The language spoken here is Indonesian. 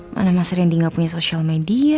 mana mas randy gak punya social media